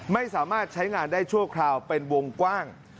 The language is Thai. ไม่สามารถใช้งานได้ชั่วคราวเป็นวงกว้าง